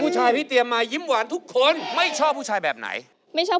ชอบผู้ชายแบบขาว